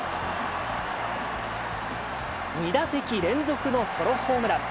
２打席連続のソロホームラン。